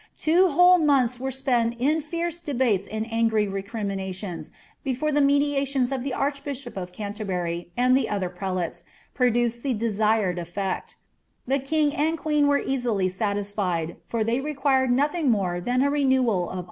Two whole inoiiihn were spenl in fierce debates and angry rccriminatimis, before the mediations of the archbishop of Canterbury, iani the other prelates, produced ilw desired cflecu The king and queen were easily satisfied, for they required nothing more than a renewal of